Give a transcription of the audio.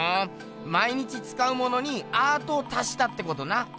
毎日つかうものにアートを足したってことな。